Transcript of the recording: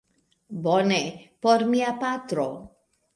Bone, por mia patro